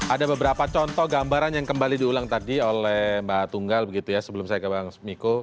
ada beberapa contoh gambaran yang kembali diulang tadi oleh mbak tunggal begitu ya sebelum saya ke bang miko